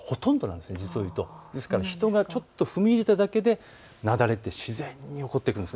ですから人がちょっと踏み入れただけで雪崩って自然に起こってくるんです。